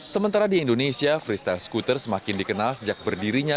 sementara di indonesia freestyle skuter semakin dikenal sejak berdirinya